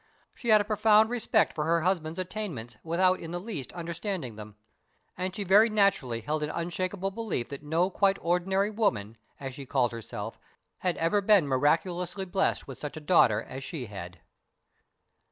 She had a profound respect for her husband's attainments without in the least understanding them, and she very naturally held an unshakable belief that no quite ordinary woman, as she called herself, had ever been miraculously blessed with such a daughter as she had.